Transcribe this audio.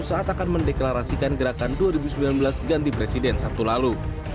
saat akan mendeklarasikan gerakan dua ribu sembilan belas ganti presiden sabtu lalu